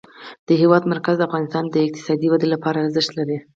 د هېواد مرکز د افغانستان د اقتصادي ودې لپاره ارزښت لري.